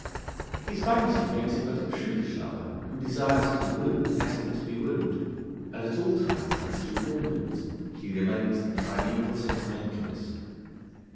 His vanity makes him but a prudish lover, who desires to woo less than to be wooed; and at all times and through all moods he remains the primeval sentimentalist.